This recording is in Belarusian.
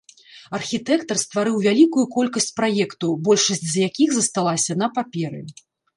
Архітэктар стварыў вялікую колькасць праектаў, большасць з якіх засталася на паперы.